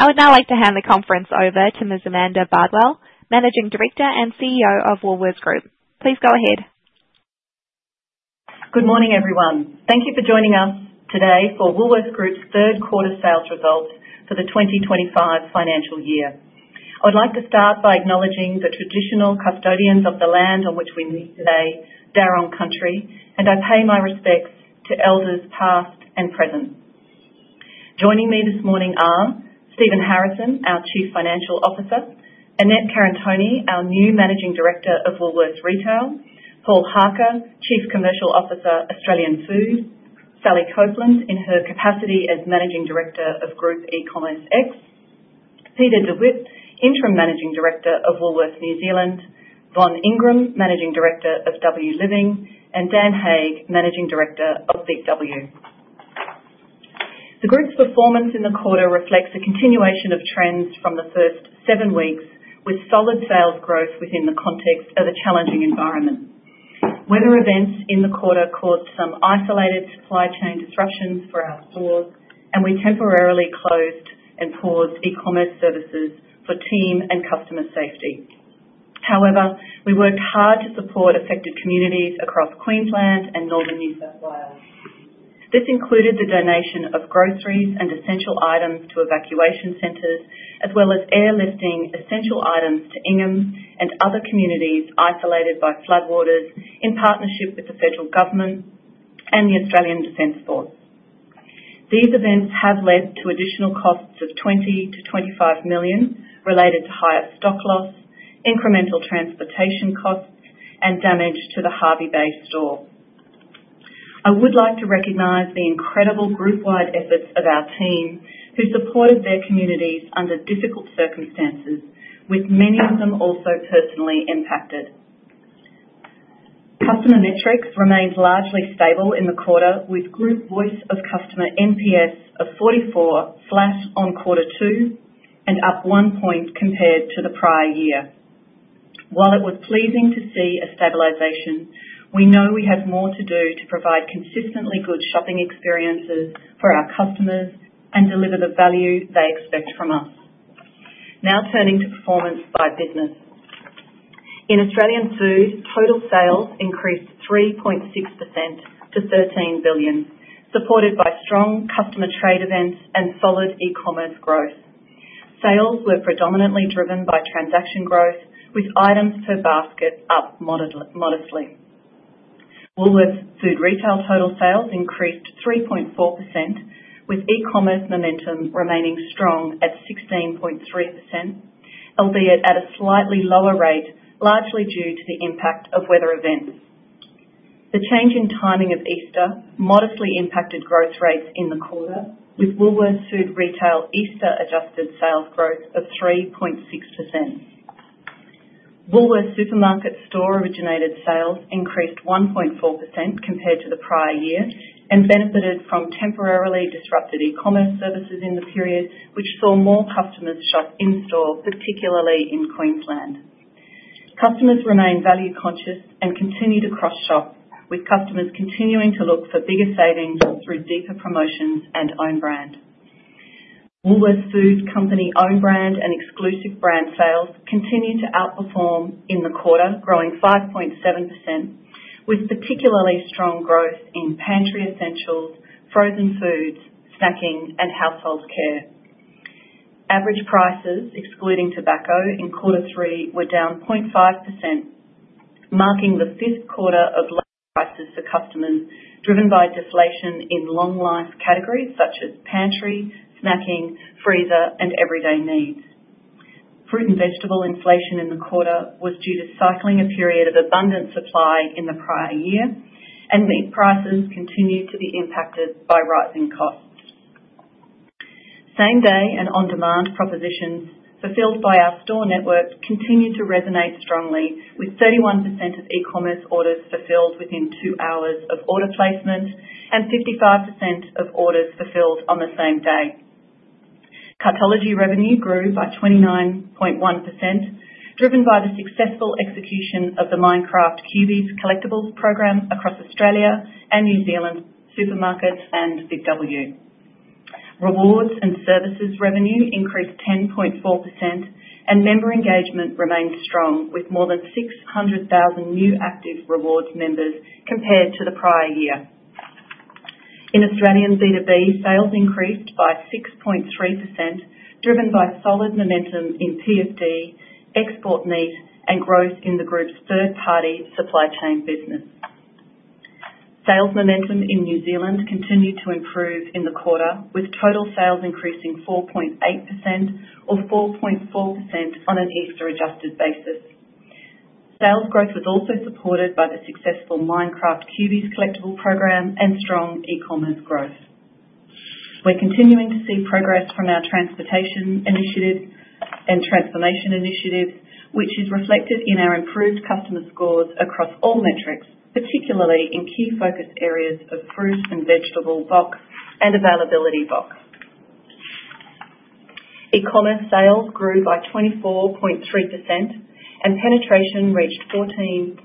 I would now like to hand the conference over to Ms. Amanda Bardwell, Managing Director and CEO of Woolworths Group. Please go ahead. Good morning, everyone. Thank you for joining us today for Woolworths Group's Q3 sales results for the 2025 financial year. I'd like to start by acknowledging the traditional custodians of the land on which we meet today, Darug Country, and I pay my respects to elders past and present. Joining me this morning are Stephen Harrison, our Chief Financial Officer; Annette Karantoni, our new Managing Director of Woolworths Retail; Paul Harker, Chief Commercial Officer, Australian Food; Sally Copland in her capacity as Managing Director of Group E-commerce; Peter DeWitt, Interim Managing Director of Woolworths New Zealand; Von Ingram, Managing Director of W Living; and Dan Hake, Managing Director of BIG W. The group's performance in the quarter reflects a continuation of trends from the first seven weeks, with solid sales growth within the context of a challenging environment. Weather events in the quarter caused some isolated supply chain disruptions for our stores, and we temporarily closed and paused e-commerce services for team and customer safety. However, we worked hard to support affected communities across Queensland and northern New South Wales. This included the donation of groceries and essential items to evacuation centers, as well as airlifting essential items to Ingham and other communities isolated by floodwaters in partnership with the federal government and the Australian Defence Force. These events have led to additional costs of $ 20 million-$ 25 million related to higher stock loss, incremental transportation costs, and damage to the Hervey Bay store. I would like to recognize the incredible group-wide efforts of our team, who supported their communities under difficult circumstances, with many of them also personally impacted. Customer metrics remained largely stable in the quarter, with Group Voice of Customer NPS of 44 flat on quarter two and up one point compared to the prior year. While it was pleasing to see a stabilization, we know we have more to do to provide consistently good shopping experiences for our customers and deliver the value they expect from us. Now turning to performance by business. In Australian Food, total sales increased 3.6% to $13 billion, supported by strong customer trade events and solid e-commerce growth. Sales were predominantly driven by transaction growth, with items per basket up modestly. Woolworths Food Retail total sales increased 3.4%, with e-commerce momentum remaining strong at 16.3%, albeit at a slightly lower rate, largely due to the impact of weather events. The change in timing of Easter modestly impacted growth rates in the quarter, with Woolworths Food Retail Easter-adjusted sales growth of 3.6%. Woolworths Supermarket store-originated sales increased 1.4% compared to the prior year and benefited from temporarily disrupted e-commerce services in the period, which saw more customers shop in-store, particularly in Queensland. Customers remain value-conscious and continue to cross-shop, with customers continuing to look for bigger savings through deeper promotions and own brand. Woolworths Food Company own brand and exclusive brand sales continue to outperform in the quarter, growing 5.7%, with particularly strong growth in pantry essentials, frozen foods, snacking, and household care. Average prices, excluding tobacco in quarter three, were down 0.5%, marking the fifth quarter of low prices for customers, driven by deflation in long-life categories such as pantry, snacking, freezer, and everyday needs. Fruit and vegetable inflation in the quarter was due to cycling a period of abundant supply in the prior year, and meat prices continued to be impacted by rising costs. Same-day and on-demand propositions fulfilled by our store network continue to resonate strongly, with 31% of e-commerce orders fulfilled within two hours of order placement and 55% of orders fulfilled on the same day. Cartology revenue grew by 29.1%, driven by the successful execution of the Minecraft Collectibles program across Australia and New Zealand supermarkets and Big W. Rewards and services revenue increased 10.4%, and member engagement remained strong, with more than 600,000 new active rewards members compared to the prior year. In Australian B2B, sales increased by 6.3%, driven by solid momentum in PFD, export need, and growth in the group's third-party supply chain business. Sales momentum in New Zealand continued to improve in the quarter, with total sales increasing 4.8% or 4.4% on an Easter-adjusted basis. Sales growth was also supported by the successful Minecraft Collectibles program and strong e-commerce growth. We're continuing to see progress from our transportation initiative and transformation initiatives, which is reflected in our improved customer scores across all metrics, particularly in key focus areas of fruit and vegetable box and availability box. E-commerce sales grew by 24.3%, and penetration reached 14.8%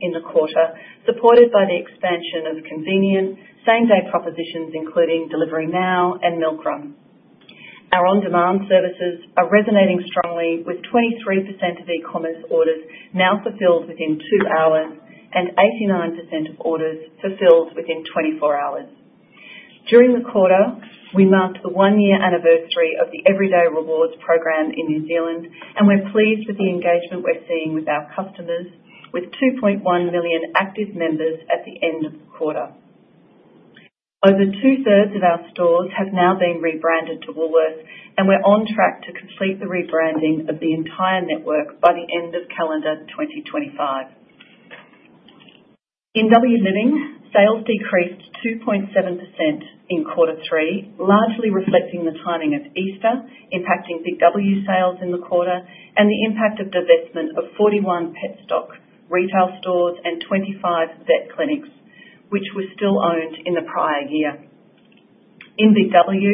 in the quarter, supported by the expansion of convenient same-day propositions, including Delivery Now and Milkrun. Our on-demand services are resonating strongly, with 23% of e-commerce orders now fulfilled within two hours and 89% of orders fulfilled within 24 hours. During the quarter, we marked the one-year anniversary of the Everyday Rewards program in New Zealand, and we're pleased with the engagement we're seeing with our customers, with 2.1 million active members at the end of the quarter. Over two-thirds of our stores have now been rebranded to Woolworths, and we're on track to complete the rebranding of the entire network by the end of calendar 2025. In W Living, sales decreased 2.7% in quarter three, largely reflecting the timing of Easter, impacting BIG W sales in the quarter, and the impact of divestment of 41 Petstock retail stores and 25 vet clinics, which were still owned in the prior year. In BIG W,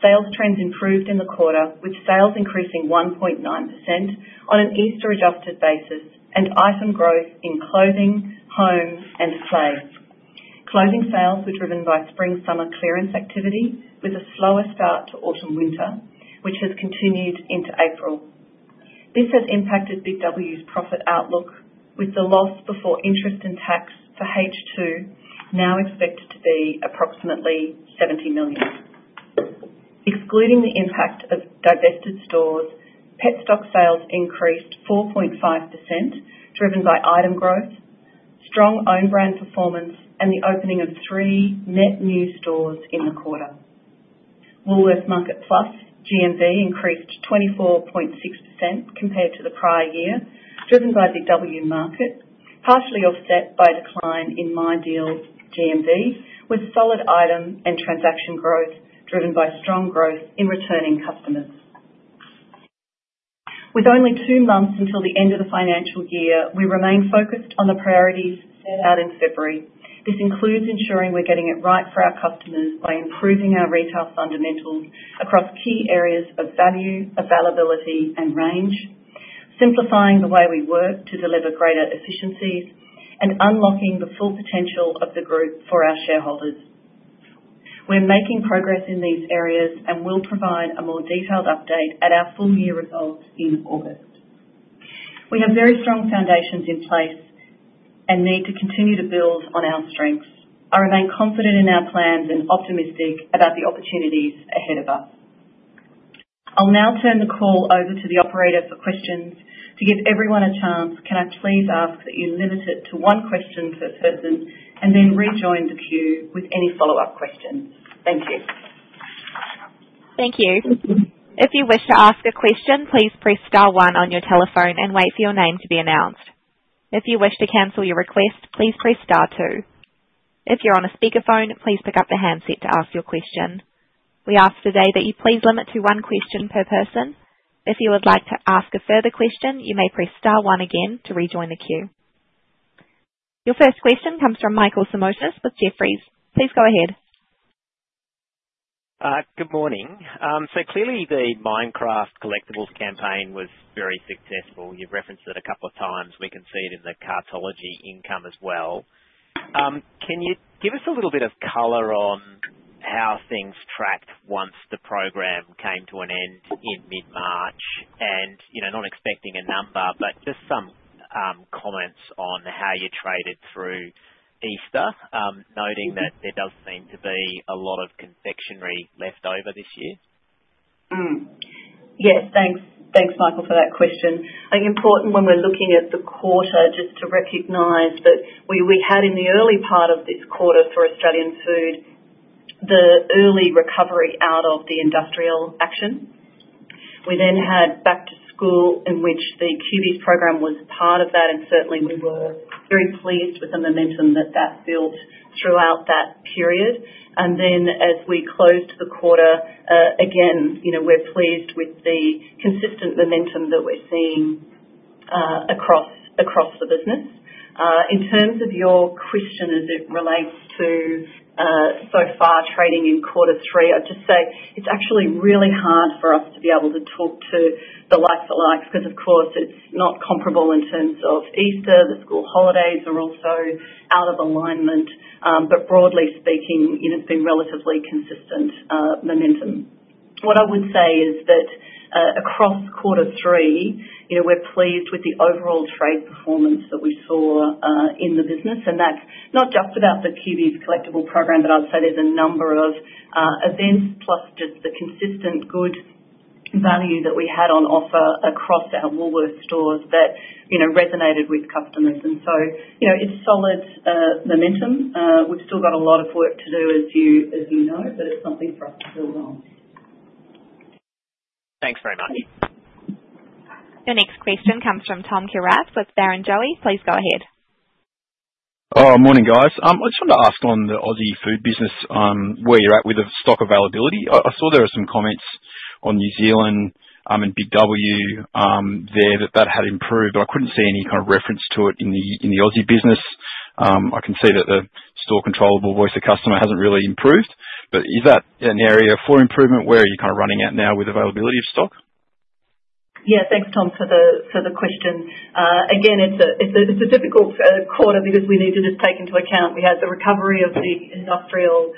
sales trends improved in the quarter, with sales increasing 1.9% on an Easter-adjusted basis and item growth in clothing, home, and sleep. Clothing sales were driven by spring-summer clearance activity, with a slower start to autumn-winter, which has continued into April. This has impacted BIG W's profit outlook, with the loss before interest and tax for H2 now expected to be approximately $ 70 million. Excluding the impact of divested stores, Petstock sales increased 4.5%, driven by item growth, strong own brand performance, and the opening of three net new stores in the quarter. Woolworths Market Plus GMV increased 24.6% compared to the prior year, driven by BW Market, partially offset by a decline in MyDeal GMV, with solid item and transaction growth driven by strong growth in returning customers. With only two months until the end of the financial year, we remain focused on the priorities set out in February. This includes ensuring we're getting it right for our customers by improving our retail fundamentals across key areas of value, availability, and range, simplifying the way we work to deliver greater efficiencies, and unlocking the full potential of the group for our shareholders. We're making progress in these areas and will provide a more detailed update at our full-year results in August. We have very strong foundations in place and need to continue to build on our strengths. I remain confident in our plans and optimistic about the opportunities ahead of us. I'll now turn the call over to the operator for questions. To give everyone a chance, can I please ask that you limit it to one question per person and then rejoin the queue with any follow-up questions. Thank you. Thank you. If you wish to ask a question, please press star one on your telephone and wait for your name to be announced. If you wish to cancel your request, please press star two. If you're on a speakerphone, please pick up the handset to ask your question. We ask today that you please limit to one question per person. If you would like to ask a further question, you may press star one again to rejoin the queue. Your first question comes from Michael Simotas with Jefferies. Please go ahead. Good morning. Clearly, the Minecraft Collectibles campaign was very successful. You've referenced it a couple of times. We can see it in the Cartology income as well. Can you give us a little bit of color on how things tracked once the program came to an end in mid-March? Not expecting a number, but just some comments on how you traded through Easter, noting that there does seem to be a lot of confectionery left over this year. Yes, thanks. Thanks, Michael, for that question. I think it's important when we're looking at the quarter just to recognize that we had in the early part of this quarter for Australian Food the early recovery out of the industrial action. We then had back to school, in which the QB's program was part of that, and certainly we were very pleased with the momentum that that built throughout that period. As we closed the quarter again, we're pleased with the consistent momentum that we're seeing across the business. In terms of your question, as it relates to so far trading in quarter three, I'd just say it's actually really hard for us to be able to talk to the likes of the likes because, of course, it's not comparable in terms of Easter. The school holidays are also out of alignment, but broadly speaking, it's been relatively consistent momentum. What I would say is that across quarter three, we're pleased with the overall trade performance that we saw in the business, and that's not just about the QB's collectible program, but I'd say there's a number of events plus just the consistent good value that we had on offer across our Woolworths stores that resonated with customers. It's solid momentum. We've still got a lot of work to do, as you know, but it's something for us to build on. Thanks very much. Your next question comes from Tom Kierath with Barrenjoey. Please go ahead. Morning, guys. I just wanted to ask on the Aussie Food business, where you're at with the stock availability. I saw there were some comments on New Zealand and BW there that that had improved, but I couldn't see any kind of reference to it in the Aussie business. I can see that the store control of Woolworths to customer hasn't really improved, but is that an area for improvement? Where are you kind of running at now with availability of stock? Yeah, thanks, Tom, for the question. Again, it's a difficult quarter because we need to just take into account we had the recovery of the industrial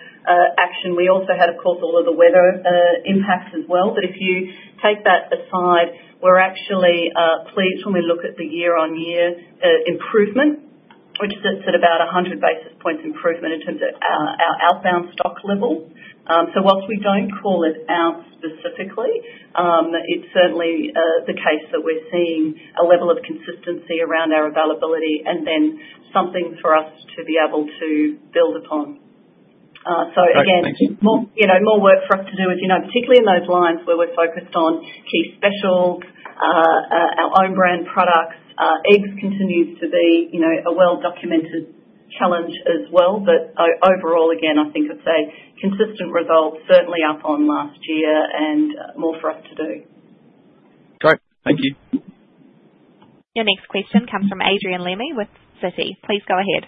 action. We also had, of course, all of the weather impacts as well. If you take that aside, we're actually pleased when we look at the year-on-year improvement, which sits at about 100 basis points improvement in terms of our outbound stock level. Whilst we don't call it out specifically, it's certainly the case that we're seeing a level of consistency around our availability and then something for us to be able to build upon. Again, more work for us to do, as you know, particularly in those lines where we're focused on key specials, our own brand products. Eggs continues to be a well-documented challenge as well, but overall, again, I think it's a consistent result, certainly up on last year and more for us to do. Great. Thank you. Your next question comes from Adrian Lemme with Citi. Please go ahead.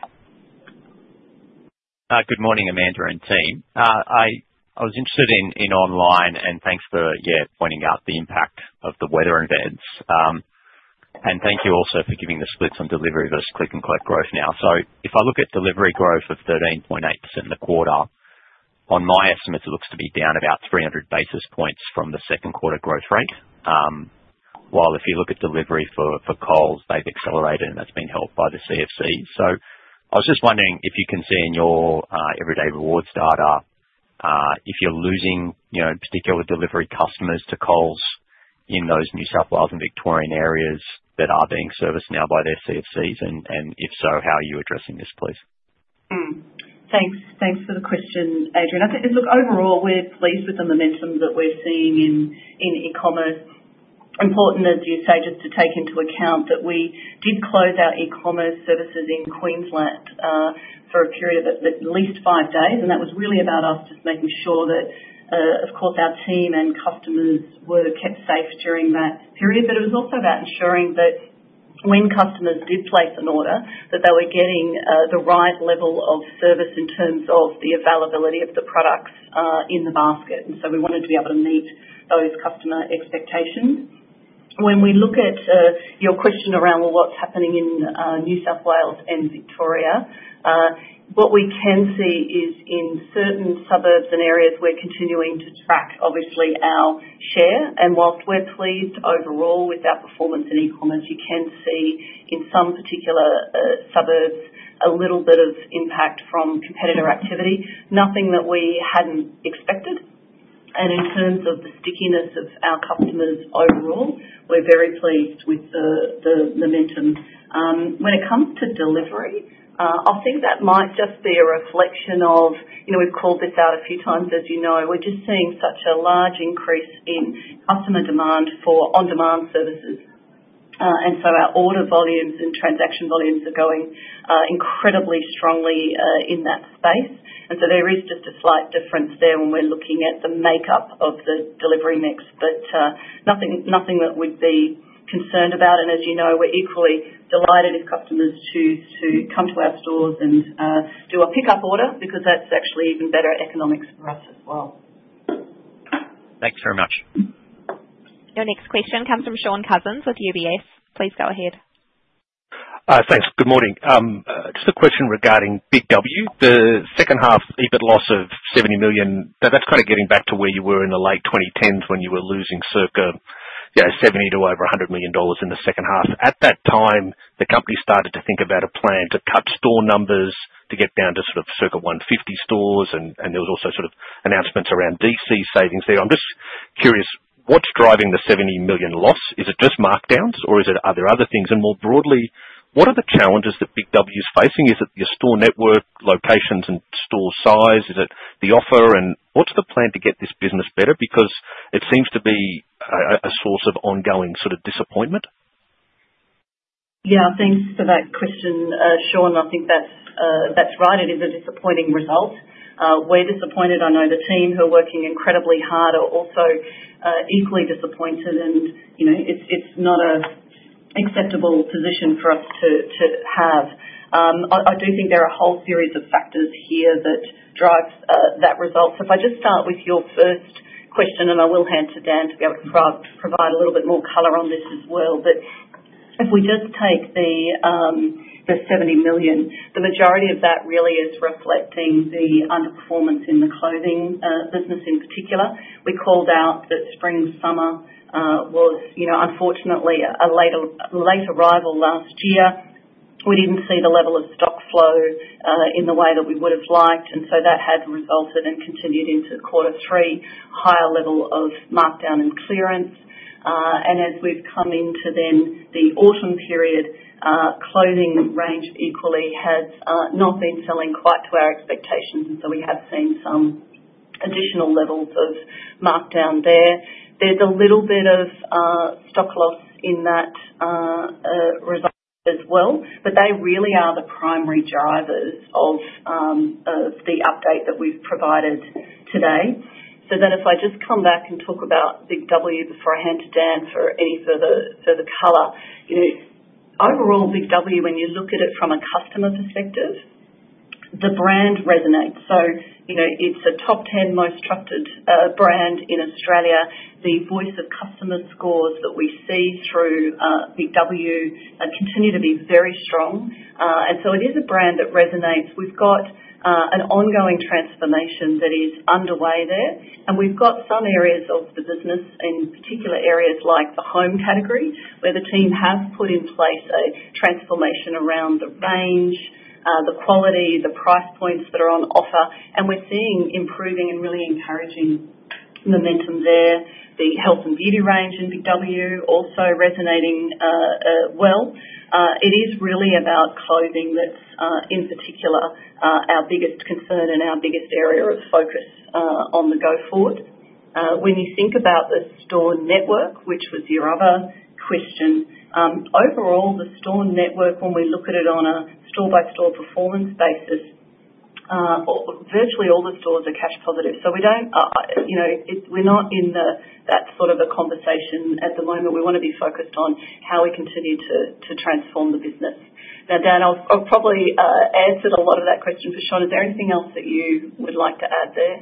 Good morning, Amanda and team. I was interested in online, and thanks for, yeah, pointing out the impact of the weather events. Thank you also for giving the splits on delivery versus click-and-collect growth now. If I look at delivery growth of 13.8% in the quarter, on my estimates, it looks to be down about 300 basis points from the Q2 growth rate, while if you look at delivery for Coles, they've accelerated, and that's been helped by the CFCs. I was just wondering if you can see in your Everyday Rewards data if you're losing particular delivery customers to Coles in those New South Wales and Victorian areas that are being serviced now by their CFCs, and if so, how are you addressing this, please? Thanks. Thanks for the question, Adrian. I think, look, overall, we're pleased with the momentum that we're seeing in e-commerce. Important, as you say, just to take into account that we did close our e-commerce services in Queensland for a period of at least five days, and that was really about us just making sure that, of course, our team and customers were kept safe during that period. It was also about ensuring that when customers did place an order, that they were getting the right level of service in terms of the availability of the products in the basket. We wanted to be able to meet those customer expectations. When we look at your question around what's happening in New South Wales and Victoria, what we can see is in certain suburbs and areas, we're continuing to track, obviously, our share. Whilst we're pleased overall with our performance in e-commerce, you can see in some particular suburbs a little bit of impact from competitor activity, nothing that we hadn't expected. In terms of the stickiness of our customers overall, we're very pleased with the momentum. When it comes to delivery, I think that might just be a reflection of, we've called this out a few times, you know, we're just seeing such a large increase in customer demand for on-demand services. Our order volumes and transaction volumes are going incredibly strongly in that space. There is just a slight difference there when we're looking at the makeup of the delivery mix, but nothing that we'd be concerned about. As you know, we're equally delighted if customers choose to come to our stores and do a pickup order because that's actually even better economics for us as well. Thanks very much. Your next question comes from Shaun Robert Cousins with UBS. Please go ahead. Thanks. Good morning. Just a question regarding Big W. The second half EBIT loss of $ 70 million, that's kind of getting back to where you were in the late 2010s when you were losing circa $ 70 million to over $ 100 million in the second half. At that time, the company started to think about a plan to cut store numbers to get down to sort of circa 150 stores, and there was also sort of announcements around DC savings there. I'm just curious, what's driving the $ 70 million loss? Is it just markdowns, or are there other things? More broadly, what are the challenges that Big W is facing? Is it your store network, locations, and store size? Is it the offer? What's the plan to get this business better? It seems to be a source of ongoing sort of disappointment. Yeah, thanks for that question, Sean. I think that's right. It is a disappointing result. We're disappointed. I know the team who are working incredibly hard are also equally disappointed, and it's not an acceptable position for us to have. I do think there are a whole series of factors here that drive that result. If I just start with your first question, I will hand to Dan to be able to provide a little bit more color on this as well. If we just take the $ 70 million, the majority of that really is reflecting the underperformance in the clothing business in particular. We called out that spring-summer was, unfortunately, a late arrival last year. We did not see the level of stock flow in the way that we would have liked, and that has resulted and continued into quarter three, higher level of markdown and clearance. As we have come into the autumn period, clothing range equally has not been selling quite to our expectations, and we have seen some additional levels of markdown there. There is a little bit of stock loss in that result as well, but they really are the primary drivers of the update that we have provided today. If I just come back and talk about Big W before I hand to Dan for any further color, overall, Big W, when you look at it from a customer perspective, the brand resonates. It is a top 10 most trusted brand in Australia. The voice of customer scores that we see through Big W continue to be very strong. It is a brand that resonates. We've got an ongoing transformation that is underway there, and we've got some areas of the business, in particular areas like the home category, where the team has put in place a transformation around the range, the quality, the price points that are on offer, and we're seeing improving and really encouraging momentum there. The health and beauty range in Big W also resonating well. It is really about clothing that's, in particular, our biggest concern and our biggest area of focus on the go forward. When you think about the store network, which was your other question, overall, the store network, when we look at it on a store-by-store performance basis, virtually all the stores are cash positive. We are not in that sort of a conversation at the moment. We want to be focused on how we continue to transform the business. Now, Dan, I have probably answered a lot of that question for Sean. Is there anything else that you would like to add there?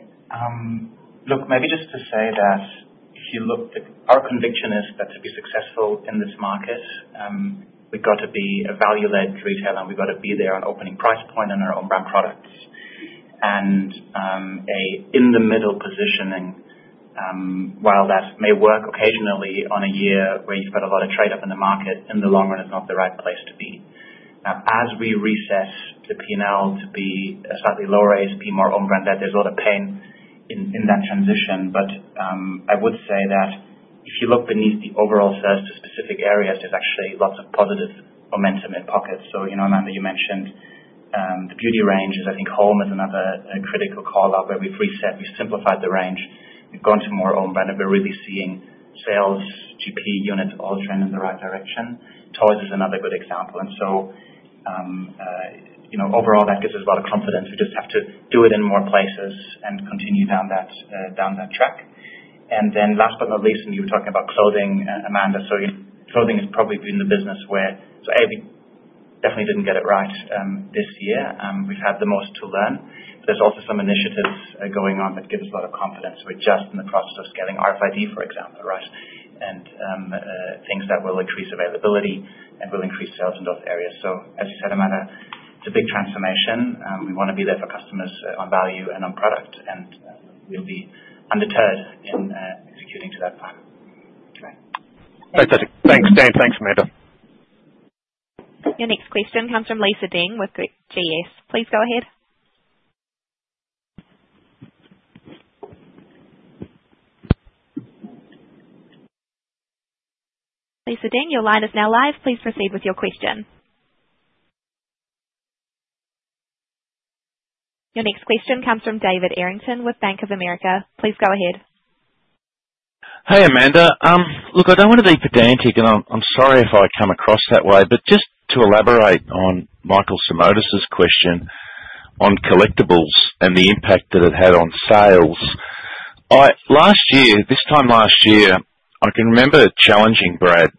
Look, maybe just to say that if you look, our conviction is that to be successful in this market, we've got to be a value-led retailer, and we've got to be there on opening price point and our own brand products and in the middle positioning. While that may work occasionally on a year where you've got a lot of trade up in the market, in the long run, it's not the right place to be. As we recess the P&L to be a slightly lower ASP, more own brand, there's a lot of pain in that transition, but I would say that if you look beneath the overall sales to specific areas, there's actually lots of positive momentum in pockets. Amanda, you mentioned the beauty ranges. I think home is another critical call out where we've reset, we've simplified the range. We've gone to more own brand, and we're really seeing sales, GP units all trend in the right direction. Toys is another good example. That gives us a lot of confidence. We just have to do it in more places and continue down that track. Last but not least, and you were talking about clothing, Amanda, clothing has probably been the business where we definitely didn't get it right this year. We've had the most to learn. There are also some initiatives going on that give us a lot of confidence. We're just in the process of scaling RFID, for example, right, and things that will increase availability and will increase sales in those areas. As you said, Amanda, it's a big transformation. We want to be there for customers on value and on product, and we'll be undeterred in executing to that plan. Fantastic. Thanks, Dan. Thanks, Amanda. Your next question comes from Lisa Deng with GS. Please go ahead. Lisa Deng, your line is now live. Please proceed with your question. Your next question comes from David Errington with BofA. Please go ahead. Hey, Amanda. Look, I don't want to be pedantic, and I'm sorry if I come across that way, but just to elaborate on Michael Simotas's question on collectibles and the impact that it had on sales. Last year, this time last year, I can remember challenging Brad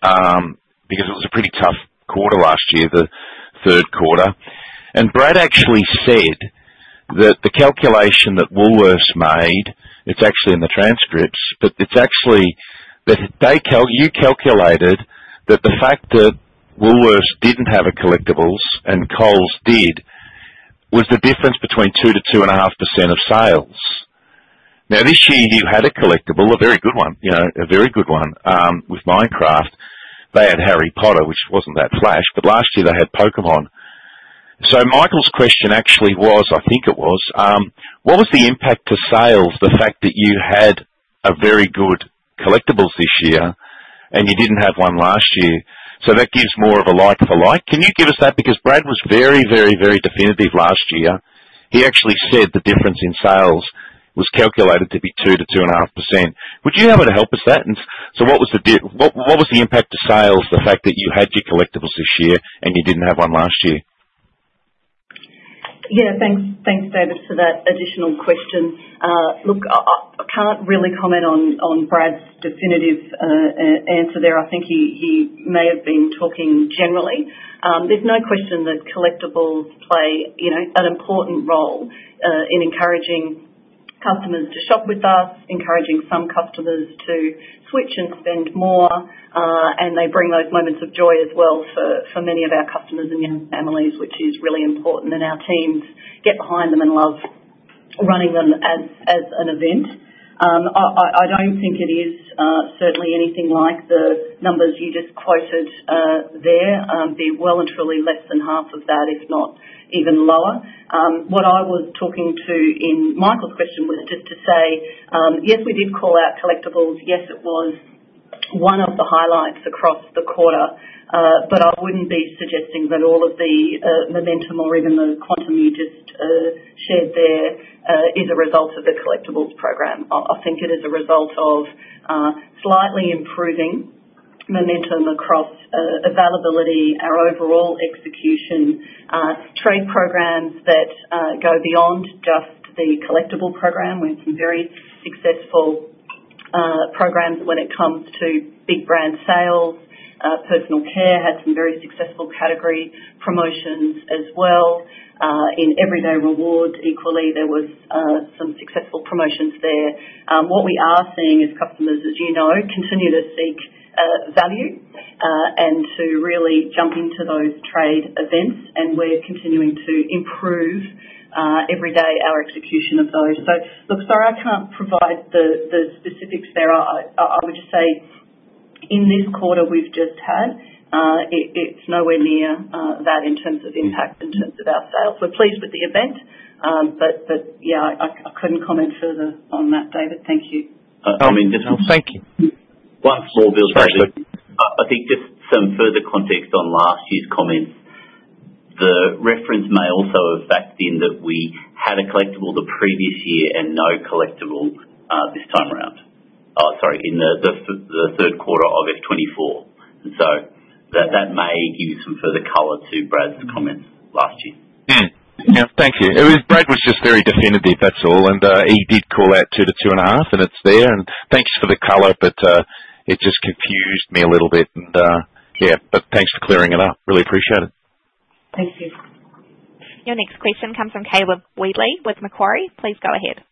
because it was a pretty tough quarter last year, the Q3. Brad actually said that the calculation that Woolworths made, it's actually in the transcripts, but it's actually that you calculated that the fact that Woolworths didn't have collectibles and Coles did was the difference between 2-2.5% of sales. Now, this year, you had a collectible, a very good one, a very good one. With Minecraft, they had Harry Potter, which wasn't that flash, but last year, they had Pokémon. Michael's question actually was, I think it was, what was the impact to sales, the fact that you had very good collectibles this year and you did not have one last year? That gives more of a like for like. Can you give us that? Because Brad was very, very, very definitive last year. He actually said the difference in sales was calculated to be 2-2.5%. Would you be able to help us with that? What was the impact to sales, the fact that you had your collectibles this year and you did not have one last year? Yeah, thanks, David, for that additional question. Look, I can't really comment on Brad's definitive answer there. I think he may have been talking generally. There's no question that collectibles play an important role in encouraging customers to shop with us, encouraging some customers to switch and spend more, and they bring those moments of joy as well for many of our customers and young families, which is really important, and our teams get behind them and love running them as an event. I don't think it is certainly anything like the numbers you just quoted there, be well and truly less than half of that, if not even lower. What I was talking to in Michael's question was just to say, yes, we did call out collectibles. Yes, it was one of the highlights across the quarter, but I would not be suggesting that all of the momentum or even the quantum you just shared there is a result of the collectibles program. I think it is a result of slightly improving momentum across availability, our overall execution, trade programs that go beyond just the collectible program. We have some very successful programs when it comes to big brand sales, personal care, had some very successful category promotions as well. In Everyday Rewards, equally, there were some successful promotions there. What we are seeing is customers, as you know, continue to seek value and to really jump into those trade events, and we are continuing to improve every day our execution of those. Look, sorry, I cannot provide the specifics there. I would just say in this quarter we've just had, it's nowhere near that in terms of impact, in terms of our sales. We're pleased with the event, but yeah, I couldn't comment further on that, David. Thank you. No, I mean, just. Thank you. One small bit of. Thank you. I think just some further context on last year's comments. The reference may also affect in that we had a collectible the previous year and no collectible this time around, sorry, in the Q3 of F2024. That may give you some further color to Brad's comments last year. Yeah, thank you. Brad was just very definitive, that's all, and he did call out 2-2.5, and it's there. Thank you for the color, it just confused me a little bit. Yeah, thank you for clearing it up. Really appreciate it. Thank you. Your next question comes from Caleb Wheatley with Macquarie. Please go ahead.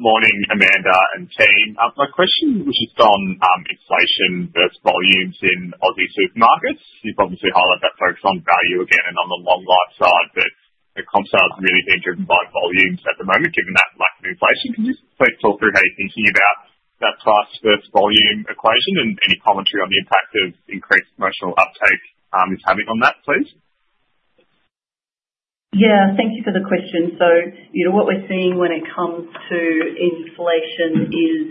Morning, Amanda and team. My question was just on inflation versus volumes in Aussie supermarkets. You've obviously highlighted that focus on value again and on the long life side, but comp sales really being driven by volumes at the moment given that lack of inflation. Can you please talk through how you're thinking about that price versus volume equation and any commentary on the impact of increased promotional uptake is having on that, please? Yeah, thank you for the question. What we're seeing when it comes to inflation is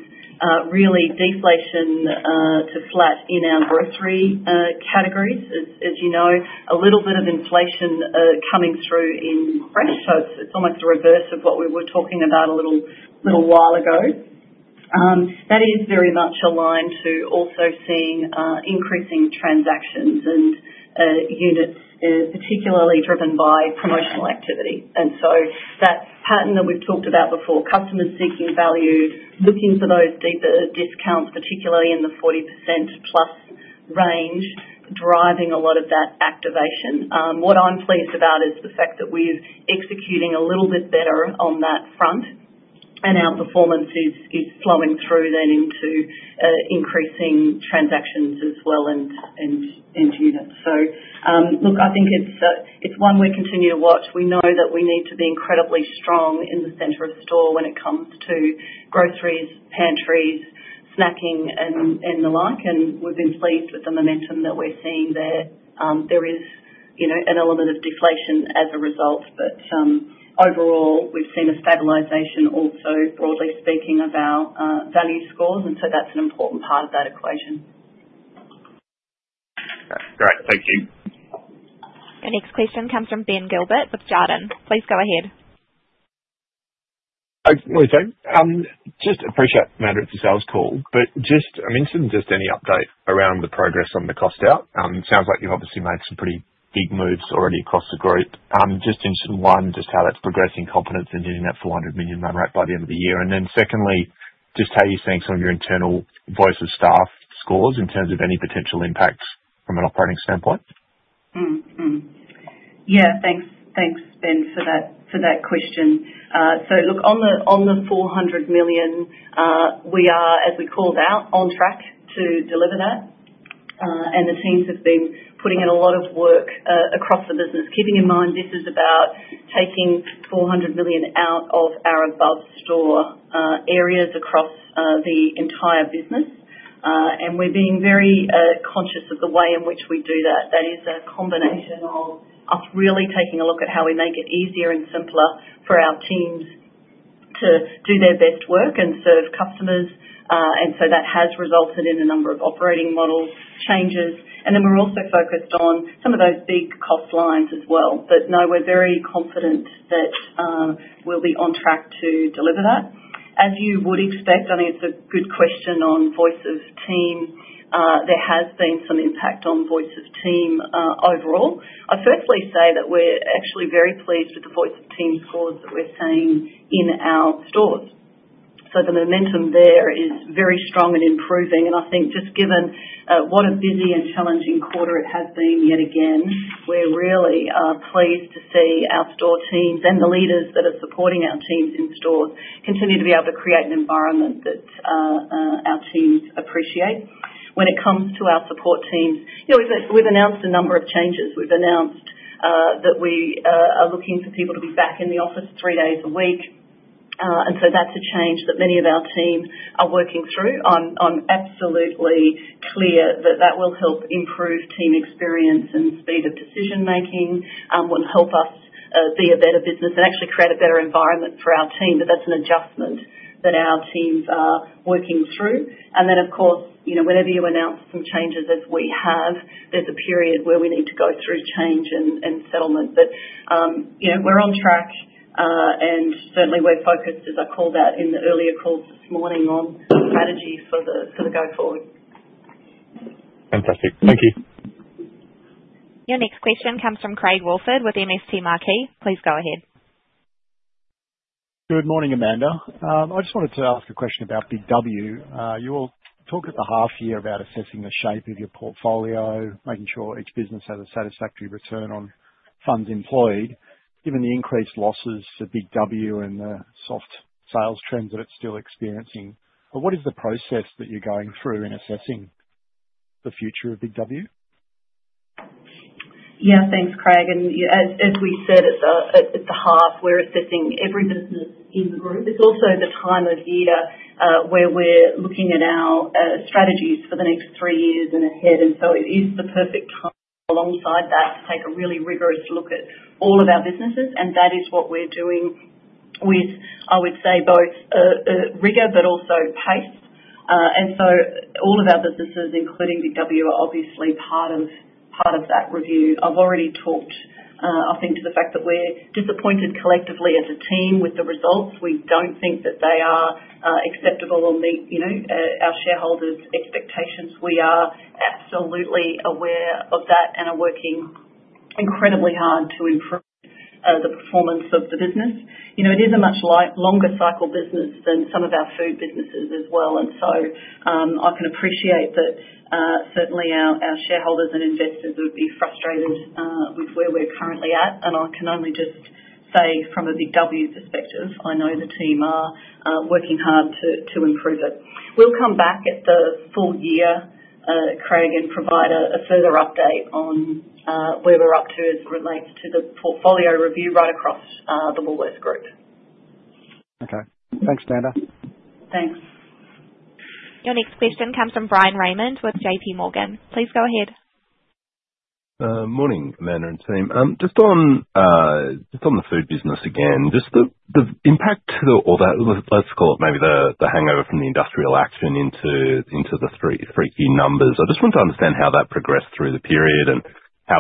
really deflation to flat in our grocery categories. As you know, a little bit of inflation coming through in fresh, so it's almost the reverse of what we were talking about a little while ago. That is very much aligned to also seeing increasing transactions and units, particularly driven by promotional activity. That pattern that we've talked about before, customers seeking value, looking for those deeper discounts, particularly in the 40% plus range, driving a lot of that activation. What I'm pleased about is the fact that we're executing a little bit better on that front, and our performance is flowing through then into increasing transactions as well and units. I think it's one we continue to watch. We know that we need to be incredibly strong in the center of store when it comes to groceries, pantries, snacking, and the like, and we've been pleased with the momentum that we're seeing there. There is an element of deflation as a result, but overall, we've seen a stabilization also, broadly speaking, of our value scores, and so that's an important part of that equation. Great. Thank you. Your next question comes from Ben Gilbert with Jarden. Please go ahead. What do you say? Just appreciate, Amanda, it's a sales call, but just I'm interested in just any update around the progress on the cost out. Sounds like you've obviously made some pretty big moves already across the group. Just interested in one, just how that's progressing, confidence in doing that $ 400 million run rate by the end of the year. Secondly, just how you're seeing some of your internal voice of staff scores in terms of any potential impacts from an operating standpoint. Yeah, thanks, Ben, for that question. Look, on the $ 400 million, we are, as we called out, on track to deliver that, and the teams have been putting in a lot of work across the business, keeping in mind this is about taking $ 400 million out of our above store areas across the entire business, and we're being very conscious of the way in which we do that. That is a combination of us really taking a look at how we make it easier and simpler for our teams to do their best work and serve customers, and that has resulted in a number of operating model changes. We are also focused on some of those big cost lines as well, but no, we're very confident that we'll be on track to deliver that. As you would expect, I think it's a good question on voice of team. There has been some impact on voice of team overall. I firstly say that we're actually very pleased with the voice of team scores that we're seeing in our stores. The momentum there is very strong and improving, and I think just given what a busy and challenging quarter it has been yet again, we're really pleased to see our store teams and the leaders that are supporting our teams in stores continue to be able to create an environment that our teams appreciate. When it comes to our support teams, we've announced a number of changes. We've announced that we are looking for people to be back in the office three days a week, and that's a change that many of our team are working through. I'm absolutely clear that that will help improve team experience and speed of decision-making, will help us be a better business and actually create a better environment for our team, but that's an adjustment that our teams are working through. Of course, whenever you announce some changes, as we have, there's a period where we need to go through change and settlement, but we're on track, and certainly we're focused, as I called out in the earlier calls this morning, on strategy for the go forward. Fantastic. Thank you. Your next question comes from Craig Woolford with MST Financial. Please go ahead. Good morning, Amanda. I just wanted to ask a question about Big W. You all talked at the half year about assessing the shape of your portfolio, making sure each business has a satisfactory return on funds employed. Given the increased losses to Big W and the soft sales trends that it's still experiencing, what is the process that you're going through in assessing the future of Big W? Yeah, thanks, Craig. As we said at the half, we're assessing every business in the group. It's also the time of year where we're looking at our strategies for the next three years and ahead, and it is the perfect time alongside that to take a really rigorous look at all of our businesses, and that is what we're doing with, I would say, both rigor but also pace. All of our businesses, including Big W, are obviously part of that review. I've already talked, I think, to the fact that we're disappointed collectively as a team with the results. We don't think that they are acceptable or meet our shareholders' expectations. We are absolutely aware of that and are working incredibly hard to improve the performance of the business. It is a much longer cycle business than some of our food businesses as well, and I can appreciate that certainly our shareholders and investors would be frustrated with where we're currently at, and I can only just say from a Big W perspective, I know the team are working hard to improve it. We'll come back at the full year, Craig, and provide a further update on where we're up to as it relates to the portfolio review right across the Woolworths Group. Okay. Thanks, Amanda. Thanks. Your next question comes from Bryan Raymond with JPMorgan. Please go ahead. Morning, Amanda and team. Just on the food business again, just the impact or let's call it maybe the hangover from the industrial action into the three key numbers. I just want to understand how that progressed through the period and how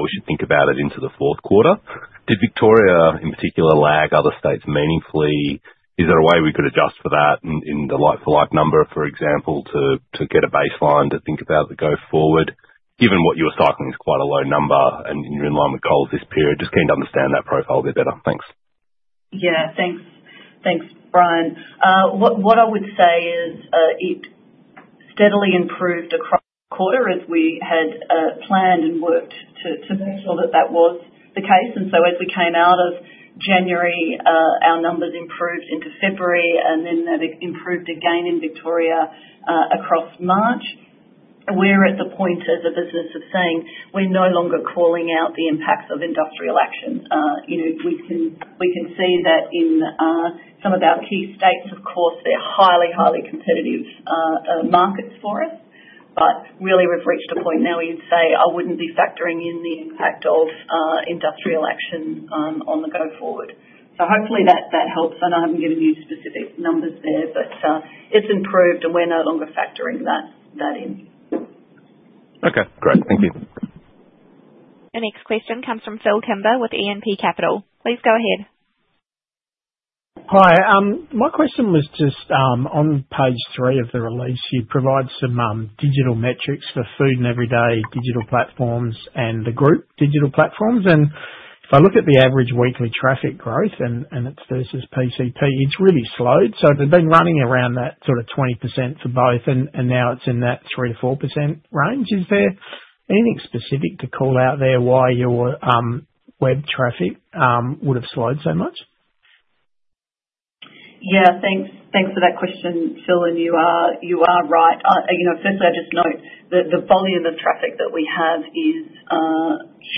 we should think about it into the Q4. Did Victoria, in particular, lag other states meaningfully? Is there a way we could adjust for that in the like-for-like number, for example, to get a baseline to think about the go forward? Given what you were cycling is quite a low number and you're in line with goals this period, just keen to understand that profile a bit better. Thanks. Yeah, thanks. Thanks, Bryan. What I would say is it steadily improved across the quarter as we had planned and worked to make sure that that was the case. As we came out of January, our numbers improved into February, and then that improved again in Victoria across March. We're at the point as a business of saying we're no longer calling out the impacts of industrial action. We can see that in some of our key states, of course, they're highly, highly competitive markets for us, but really we've reached a point now where you'd say I wouldn't be factoring in the impact of industrial action on the go forward. Hopefully that helps. I know I haven't given you specific numbers there, but it's improved and we're no longer factoring that in. Okay. Great. Thank you. Your next question comes from Phillip Kimber with E&P. Please go ahead. Hi. My question was just on page three of the release. You provide some digital metrics for food and everyday digital platforms and the group digital platforms, and if I look at the average weekly traffic growth and it's versus PCP, it's really slowed. They have been running around that sort of 20% for both, and now it's in that 3-4% range. Is there anything specific to call out there why your web traffic would have slowed so much? Yeah, thanks for that question, Phil, and you are right. Firstly, I just note that the volume of traffic that we have is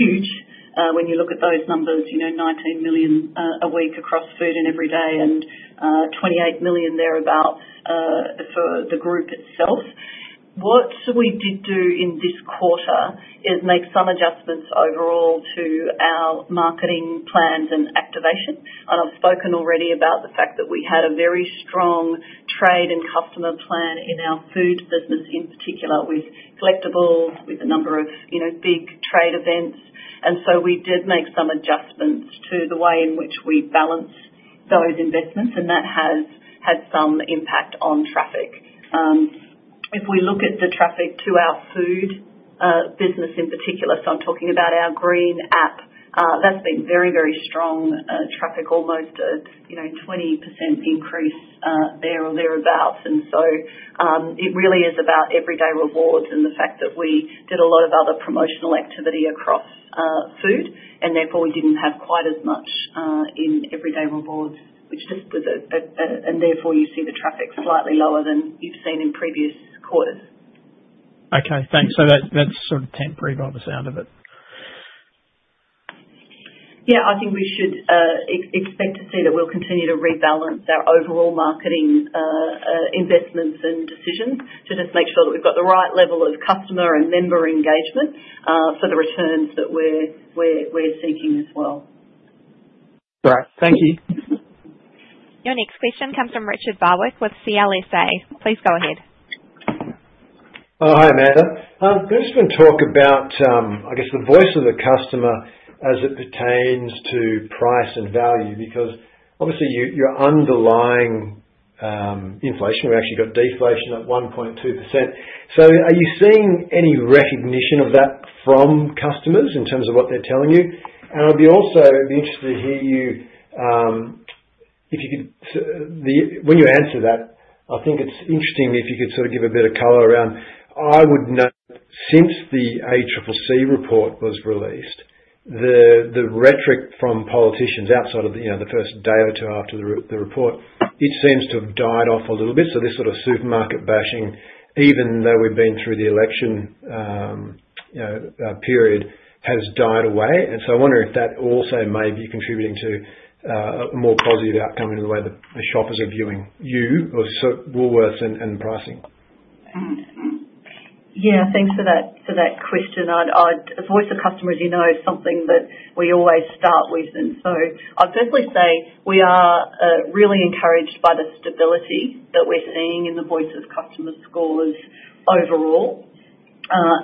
huge when you look at those numbers, 19 million a week across food and everyday and 28 million thereabout for the group itself. What we did do in this quarter is make some adjustments overall to our marketing plans and activation. I have spoken already about the fact that we had a very strong trade and customer plan in our food business in particular with collectibles, with a number of big trade events, and we did make some adjustments to the way in which we balance those investments, and that has had some impact on traffic. If we look at the traffic to our food business in particular, so I'm talking about our green app, that's been very, very strong traffic, almost a 20% increase there or thereabouts, and it really is about Everyday Rewards and the fact that we did a lot of other promotional activity across food, and therefore we didn't have quite as much in Everyday Rewards, which just was a and therefore you see the traffic slightly lower than you've seen in previous quarters. Okay. Thanks. That's sort of temporary by the sound of it. Yeah, I think we should expect to see that we'll continue to rebalance our overall marketing investments and decisions to just make sure that we've got the right level of customer and member engagement for the returns that we're seeking as well. Great. Thank you. Your next question comes from Richard Barwick with CLSA. Please go ahead. Hi, Amanda. I'm going to just talk about, I guess, the voice of the customer as it pertains to price and value because obviously your underlying inflation, we actually got deflation at 1.2%. Are you seeing any recognition of that from customers in terms of what they're telling you? I'd be also interested to hear you if you could, when you answer that, I think it's interesting if you could sort of give a bit of color around. I would note since the ACCC report was released, the rhetoric from politicians outside of the first day or two after the report, it seems to have died off a little bit. This sort of supermarket bashing, even though we've been through the election period, has died away, and I wonder if that also may be contributing to a more positive outcome in the way that the shoppers are viewing you or Woolworths and pricing. Yeah, thanks for that question. The voice of customers, you know, is something that we always start with, and so I'll firstly say we are really encouraged by the stability that we're seeing in the voice of customer scores overall,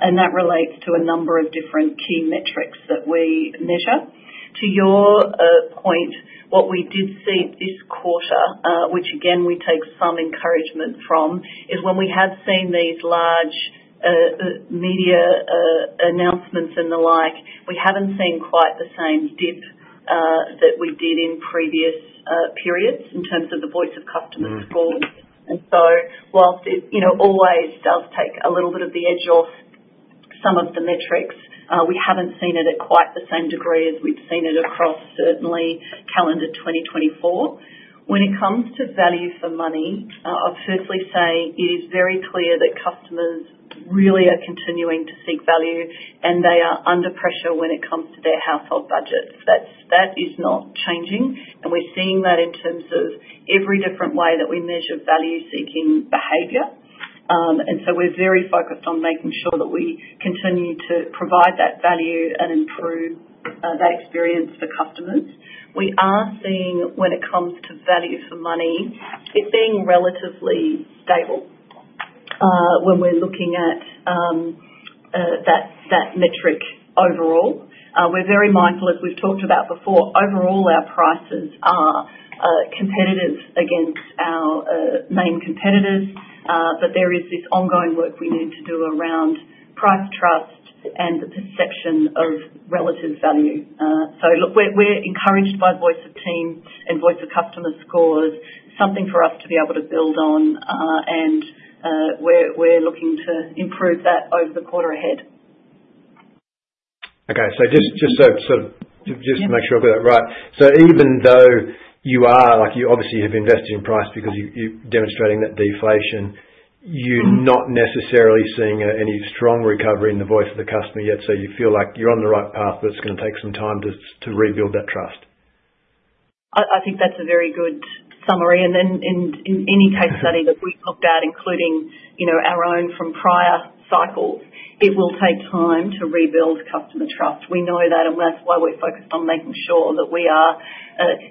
and that relates to a number of different key metrics that we measure. To your point, what we did see this quarter, which again we take some encouragement from, is when we have seen these large media announcements and the like, we haven't seen quite the same dip that we did in previous periods in terms of the voice of customer scores. While it always does take a little bit of the edge off some of the metrics, we haven't seen it at quite the same degree as we've seen it across certainly calendar 2024. When it comes to value for money, I'll firstly say it is very clear that customers really are continuing to seek value, and they are under pressure when it comes to their household budgets. That is not changing, and we're seeing that in terms of every different way that we measure value-seeking behavior, and so we're very focused on making sure that we continue to provide that value and improve that experience for customers. We are seeing, when it comes to value for money, it being relatively stable when we're looking at that metric overall. We're very mindful, as we've talked about before, overall our prices are competitive against our main competitors, but there is this ongoing work we need to do around price trust and the perception of relative value. We're encouraged by voice of team and voice of customer scores, something for us to be able to build on, and we're looking to improve that over the quarter ahead. Okay. Just to make sure I've got that right, even though you are, like you obviously have invested in price because you're demonstrating that deflation, you're not necessarily seeing any strong recovery in the voice of the customer yet, so you feel like you're on the right path, but it's going to take some time to rebuild that trust? I think that's a very good summary, and in any case study that we've looked at, including our own from prior cycles, it will take time to rebuild customer trust. We know that, and that's why we're focused on making sure that we are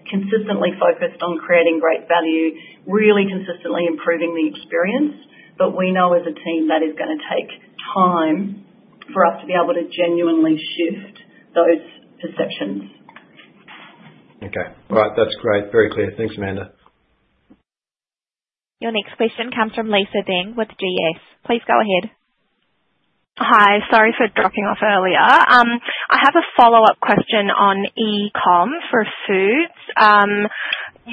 consistently focused on creating great value, really consistently improving the experience, but we know as a team that it's going to take time for us to be able to genuinely shift those perceptions. Okay. All right. That's great. Very clear. Thanks, Amanda. Your next question comes from Lisa Deng with GS. Please go ahead. Hi. Sorry for dropping off earlier. I have a follow-up question on e-comm for foods.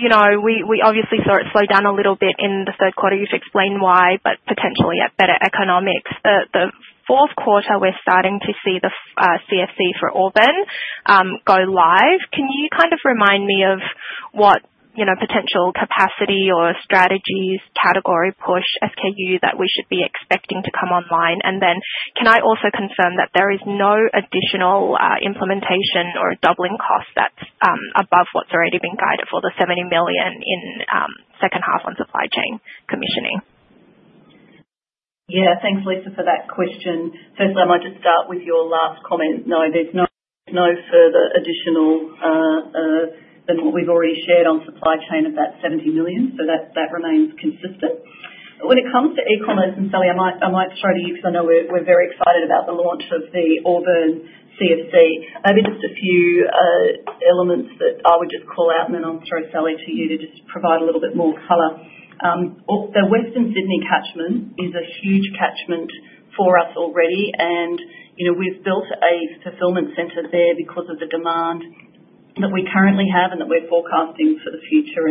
We obviously saw it slow down a little bit in the Q3. You've explained why, but potentially at better economics. The Q4, we're starting to see the CFC for Auburn go live. Can you kind of remind me of what potential capacity or strategies, category push, SKU that we should be expecting to come online? Can I also confirm that there is no additional implementation or doubling costs that's above what's already been guided for the $ 70 million in second half on supply chain commissioning? Yeah. Thanks, Lisa, for that question. Firstly, I might just start with your last comment. No, there's no further additional than what we've already shared on supply chain of that $ 70 million, so that remains consistent. When it comes to e-commerce, and Sally, I might throw to you because I know we're very excited about the launch of the Auburn CFC. Maybe just a few elements that I would just call out, then I'll throw Sally to you to just provide a little bit more color. The Western Sydney catchment is a huge catchment for us already, and we've built a fulfillment center there because of the demand that we currently have and that we're forecasting for the future.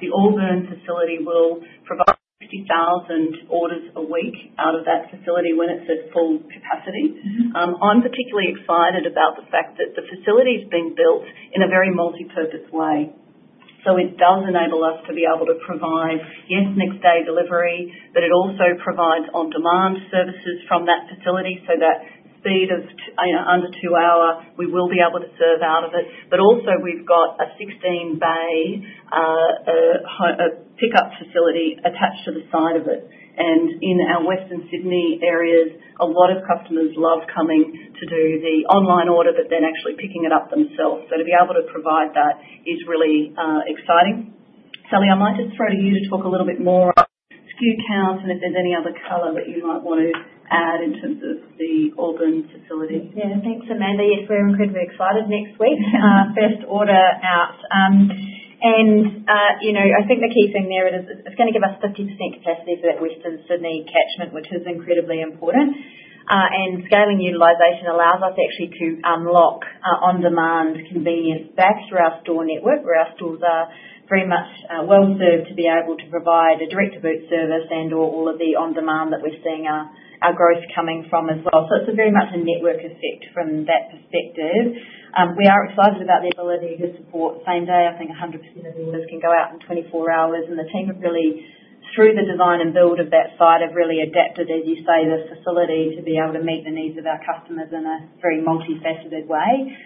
The Auburn facility will provide 50,000 orders a week out of that facility when it's at full capacity. I'm particularly excited about the fact that the facility is being built in a very multi-purpose way. It does enable us to be able to provide, yes, next day delivery, but it also provides on-demand services from that facility so that speed of under two hour, we will be able to serve out of it. We have a 16-bay pickup facility attached to the side of it, and in our Western Sydney areas, a lot of customers love coming to do the online order, but then actually picking it up themselves. To be able to provide that is really exciting. Sally, I might just throw to you to talk a little bit more about SKU counts and if there's any other color that you might want to add in terms of the Auburn facility. Yeah. Thanks, Amanda. Yes, we're incredibly excited next week. First order out.I think the key thing there is it's going to give us 50% capacity for that Western Sydney catchment, which is incredibly important, and scaling utilization allows us actually to unlock on-demand convenience back through our store network where our stores are very much well served to be able to provide a direct-to-boot service and/or all of the on-demand that we're seeing our growth coming from as well. It is very much a network effect from that perspective. We are excited about the ability to support same-day, I think 100% of the orders can go out in 24 hours, and the team have really, through the design and build of that site, really adapted, as you say, the facility to be able to meet the needs of our customers in a very multi-faceted way.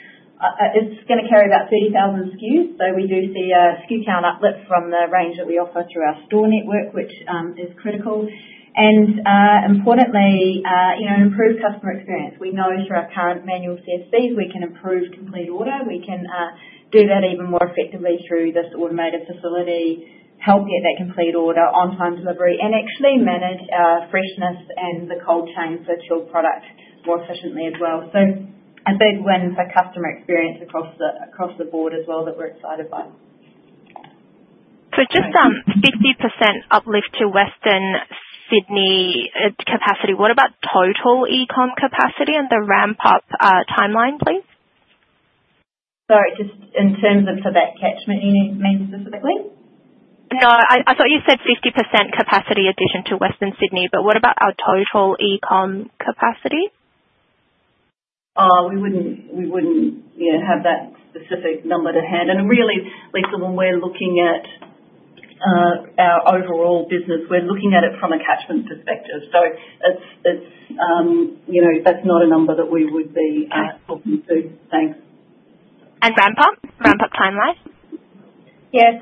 It's going to carry about 30,000 SKUs, so we do see a SKU count uplift from the range that we offer through our store network, which is critical. Importantly, improved customer experience. We know through our current manual CFCs we can improve complete order. We can do that even more effectively through this automated facility, help get that complete order on-time delivery, and actually manage freshness and the cold chain for chilled product more efficiently as well. A big win for customer experience across the board as well that we're excited by. Just 50% uplift to Western Sydney capacity. What about total e-comm capacity and the ramp-up timeline, please? Sorry, just in terms of for that catchment, you mean specifically? No, I thought you said 50% capacity addition to Western Sydney, but what about our total e-comm capacity? We would not have that specific number to hand. Really, Lisa, when we are looking at our overall business, we are looking at it from a catchment perspective, so that is not a number that we would be talking to. Thanks. Ramp-up? Ramp-up timeline? Yeah.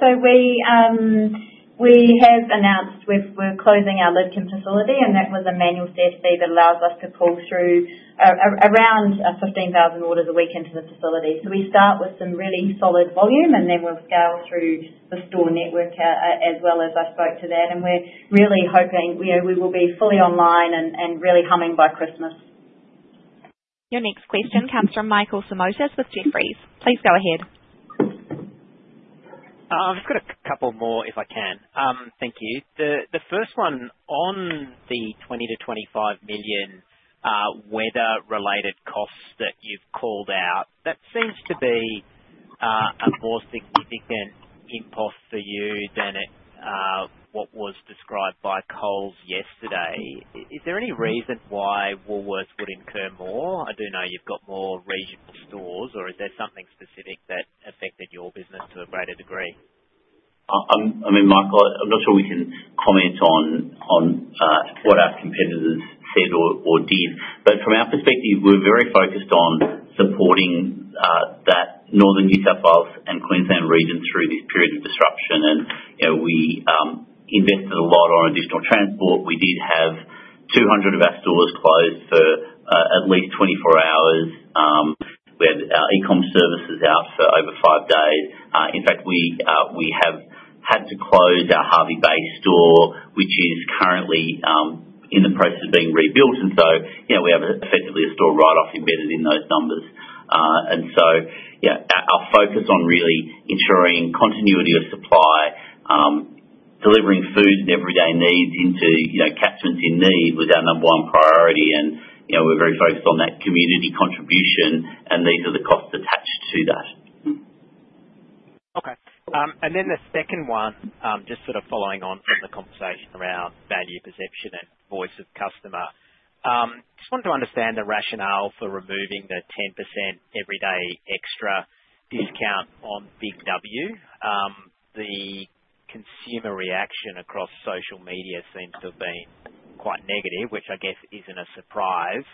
We have announced we're closing our Lidcombe facility, and that was a manual CFC that allows us to pull through around 15,000 orders a week into the facility. We start with some really solid volume, and then we'll scale through the store network as well as I spoke to that, and we're really hoping we will be fully online and really humming by Christmas. Your next question comes from Michael Simotas with Jefferies. Please go ahead. I've got a couple more if I can. Thank you. The first one on the $ 20 million-$ 25 million weather-related costs that you've called out, that seems to be a more significant impulse for you than what was described by Coles yesterday. Is there any reason why Woolworths would incur more? I do know you've got more regional stores, or is there something specific that affected your business to a greater degree? I mean, Michael, I'm not sure we can comment on what our competitors said or did, but from our perspective, we're very focused on supporting that Northern New South Wales and Queensland region through this period of disruption, and we invested a lot on additional transport. We did have 200 of our stores closed for at least 24 hours. We had our e-comm services out for over five days. In fact, we have had to close our Hervey Bay store, which is currently in the process of being rebuilt, and we have effectively a store write-off embedded in those numbers. Our focus on really ensuring continuity of supply, delivering food and everyday needs into catchments in need was our number one priority, and we're very focused on that community contribution, and these are the costs attached to that. Okay. The second one, just sort of following on from the conversation around value perception and voice of customer, I just wanted to understand the rationale for removing the 10% Everyday Extra discount on Big W. The consumer reaction across social media seems to have been quite negative, which I guess isn't a surprise.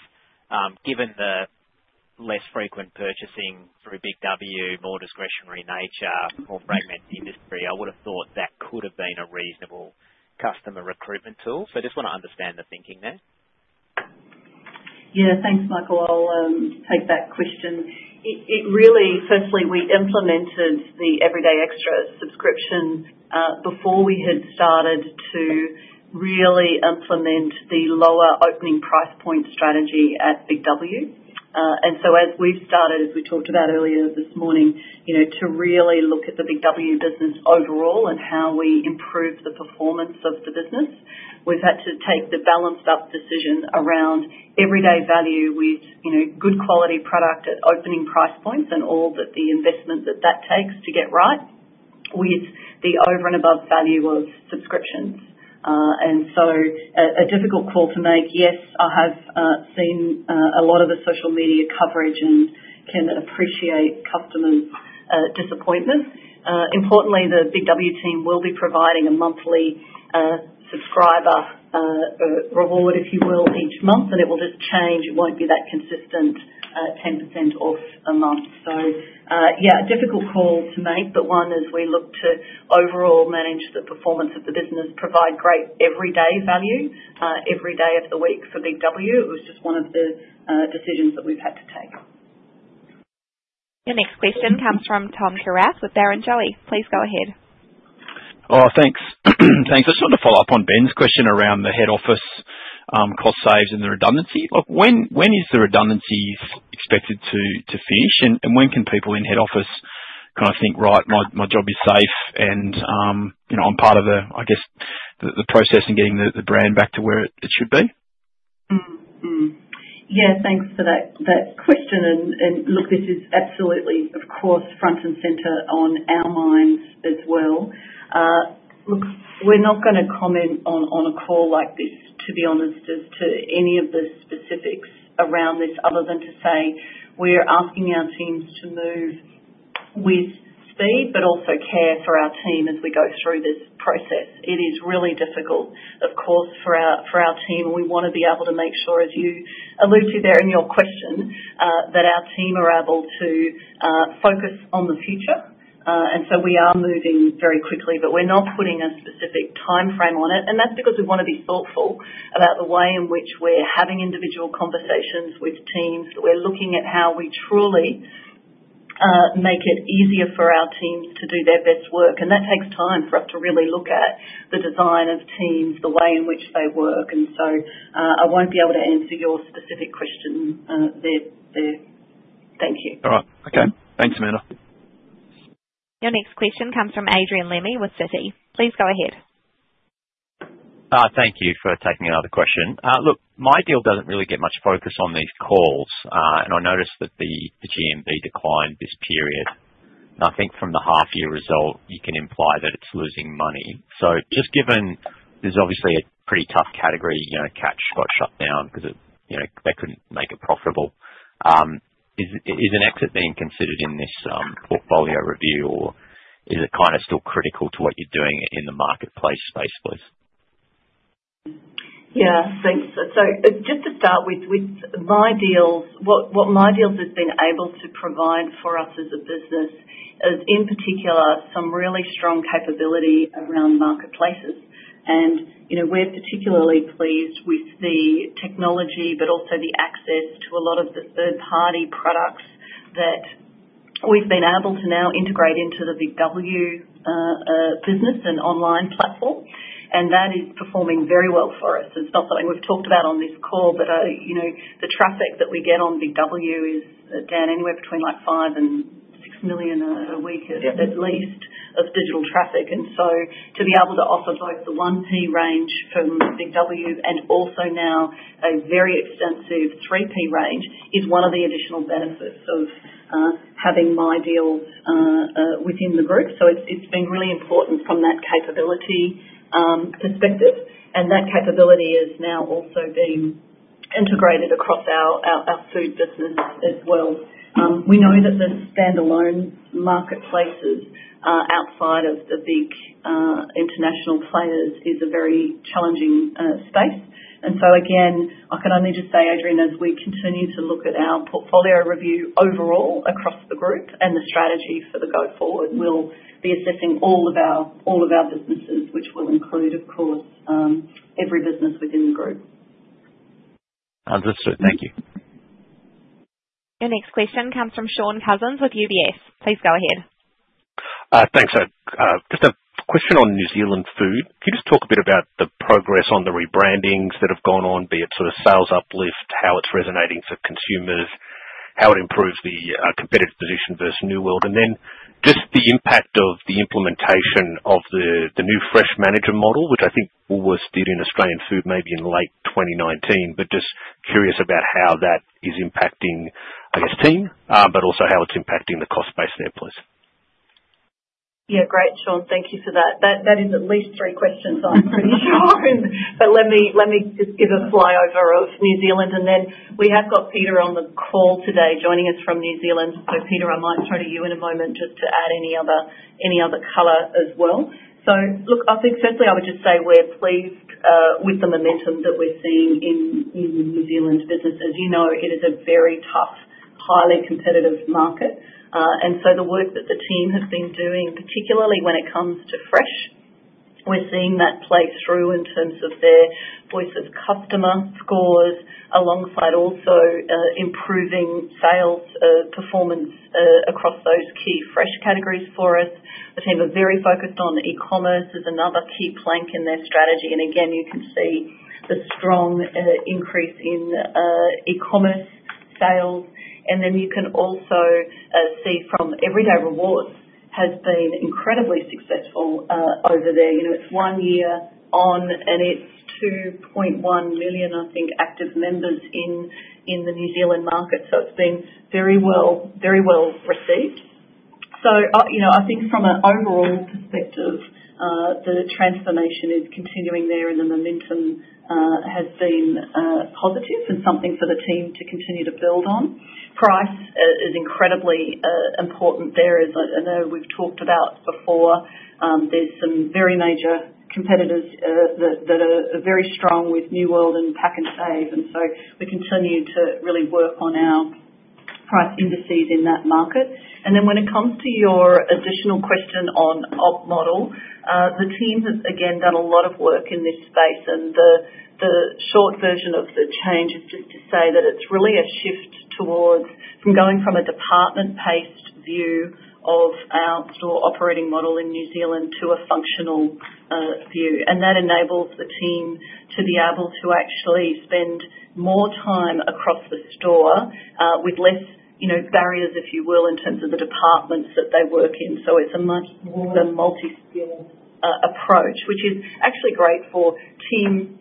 Given the less frequent purchasing through Big W, more discretionary nature, more fragmented industry, I would have thought that could have been a reasonable customer recruitment tool, so I just want to understand the thinking there. Yeah. Thanks, Michael. I'll take that question. Firstly, we implemented the Everyday Extra subscription before we had started to really implement the lower opening price point strategy at Big W. As we've started, as we talked about earlier this morning, to really look at the Big W business overall and how we improve the performance of the business, we've had to take the balanced-up decision around everyday value with good quality product at opening price points and all the investment that that takes to get right with the over and above value of subscriptions. A difficult call to make. Yes, I have seen a lot of the social media coverage and can appreciate customers' disappointment. Importantly, the Big W team will be providing a monthly subscriber reward, if you will, each month, and it will just change. It won't be that consistent 10% off a month. Yeah, a difficult call to make, but one as we look to overall manage the performance of the business, provide great everyday value every day of the week for Big W. It was just one of the decisions that we've had to take. Your next question comes from Tom Kierath with Barrenjoey Markets. Please go ahead. Oh, thanks. Thanks. I just wanted to follow up on Ben's question around the head office cost saves and the redundancy. When is the redundancy expected to finish, and when can people in head office kind of think, "Right, my job is safe, and I'm part of the, I guess, the process and getting the brand back to where it should be"? Yeah. Thanks for that question. Look, this is absolutely, of course, front and center on our minds as well. Look, we're not going to comment on a call like this, to be honest, as to any of the specifics around this other than to say we're asking our teams to move with speed but also care for our team as we go through this process. It is really difficult, of course, for our team, and we want to be able to make sure, as you alluded to there in your question, that our team are able to focus on the future. We are moving very quickly, but we're not putting a specific timeframe on it, and that's because we want to be thoughtful about the way in which we're having individual conversations with teams. We're looking at how we truly make it easier for our teams to do their best work, and that takes time for us to really look at the design of teams, the way in which they work. I won't be able to answer your specific question there. Thank you. All right. Okay. Thanks, Amanda. Your next question comes from Adrian Lemme with Citi. Please go ahead. Thank you for taking another question. Look, MyDeal doesn't really get much focus on these calls, and I noticed that the GMV declined this period. I think from the half-year result, you can imply that it's losing money. Just given there's obviously a pretty tough category, Catch got shut down because they couldn't make it profitable. Is an exit being considered in this portfolio review, or is it kind of still critical to what you're doing in the marketplace space, please? Yeah. Thanks. Just to start with mydeal, what mydeal has been able to provide for us as a business is, in particular, some really strong capability around marketplaces. We are particularly pleased with the technology but also the access to a lot of the third-party products that we have been able to now integrate into the Big W business and online platform, and that is performing very well for us. It is not something we have talked about on this call, but the traffic that we get on Big W is down anywhere between five and six million a week at least of digital traffic. To be able to offer both the 1P range from Big W and also now a very extensive 3P range is one of the additional benefits of having mydeal within the group. It has been really important from that capability perspective, and that capability is now also being integrated across our food business as well. We know that the standalone marketplaces outside of the big international players is a very challenging space. I can only just say, Adrian, as we continue to look at our portfolio review overall across the group and the strategy for the go forward, we will be assessing all of our businesses, which will include, of course, every business within the group. Understood. Thank you. Your next question comes from Shaun Robert Cousins with UBS. Please go ahead. Thanks, sir. Just a question on New Zealand food. Can you just talk a bit about the progress on the rebrandings that have gone on, be it sort of sales uplift, how it's resonating for consumers, how it improves the competitive position versus New World, and just the impact of the implementation of the new fresh manager model, which I think Woolworths did in Australian Food maybe in late 2019, but just curious about how that is impacting, I guess, team, but also how it's impacting the cost base there, please. Yeah. Great, Sean. Thank you for that. That is at least three questions I'm pretty sure on, but let me just give a flyover of New Zealand, and then we have got Peter on the call today joining us from New Zealand. Peter, I might throw to you in a moment just to add any other color as well. I think firstly I would just say we're pleased with the momentum that we're seeing in New Zealand business. As you know, it is a very tough, highly competitive market, and the work that the team has been doing, particularly when it comes to fresh, we're seeing that play through in terms of their voice of customer scores alongside also improving sales performance across those key fresh categories for us. The team are very focused on e-commerce as another key plank in their strategy, and again, you can see the strong increase in e-commerce sales. You can also see from Everyday Rewards, it has been incredibly successful over there. It's one year on, and it's 2.1 million, I think, active members in the New Zealand market, so it's been very well received. I think from an overall perspective, the transformation is continuing there, and the momentum has been positive and something for the team to continue to build on. Price is incredibly important there as I know we've talked about before. There are some very major competitors that are very strong with New World and Pak'nSave, and we continue to really work on our price indices in that market. When it comes to your additional question on Op model, the team has, again, done a lot of work in this space, and the short version of the change is just to say that it's really a shift towards going from a department-based view of our store operating model in New Zealand to a functional view, and that enables the team to be able to actually spend more time across the store with less barriers, if you will, in terms of the departments that they work in. It is a multiskill approach, which is actually great for team